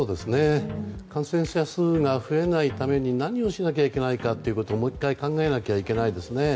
感染者数が増えないために何をしなきゃいけないかもう１回考えなきゃいけないですね。